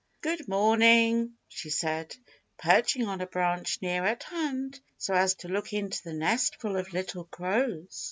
"Good morning," she said, perching on a branch near at hand so as to look into the nestful of little crows.